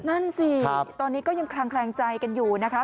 นั่นสิตอนนี้ก็ยังคลางแคลงใจกันอยู่นะคะ